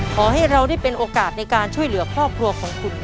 ขอให้เราได้เป็นโอกาสในการช่วยเหลือครอบครัวของคุณ